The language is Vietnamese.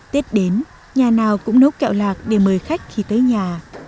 tết đến nhà nào cũng nấu kẹo lạc để mời khách khi tới nhà